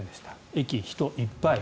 駅、人いっぱい。